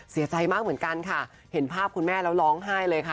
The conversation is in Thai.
เสียใจมากเหมือนกันค่ะเห็นภาพคุณแม่แล้วร้องไห้เลยค่ะ